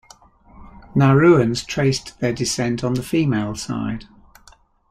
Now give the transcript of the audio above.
Nauruans traced their descent on the female side.